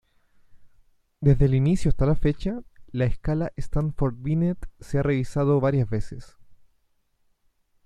Desde el inicio hasta la fecha, la Escala Stanford-Binet se ha revisado varias veces.